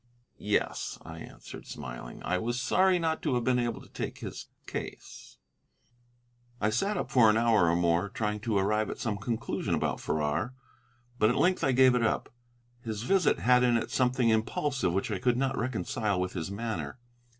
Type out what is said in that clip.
"Yes," I answered, smiling, "I was sorry not to have been able to take his case." I sat up for an hour or more, trying to arrive at some conclusion about Farrar, but at length I gave it up. His visit had in it something impulsive which I could not reconcile with his manner.